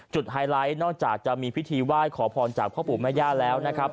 ไฮไลท์นอกจากจะมีพิธีไหว้ขอพรจากพ่อปู่แม่ย่าแล้วนะครับ